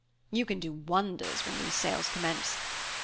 You can do wonders when these sales commence.